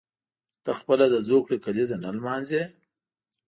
ته خپله د زوکړې کلیزه نه لمانځي.